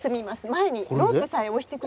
前にロープさえ押してくれれば。